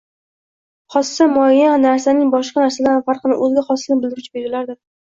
Xossa muayyan narsaning boshqa narsalardan farqini, oʻziga xosligini bildiruvchi belgilardir